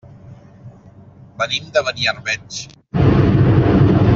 Venim de Beniarbeig.